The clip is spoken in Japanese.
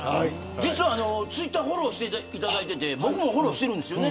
実はツイッターフォローしていただいていて僕もフォローしてるんですよね。